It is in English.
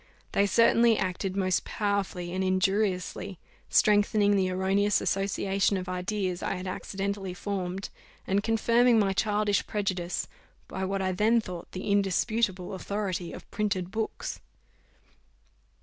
They certainly acted most powerfully and injuriously, strengthening the erroneous association of ideas I had accidentally formed, and confirming my childish prejudice by what I then thought the indisputable authority of printed books.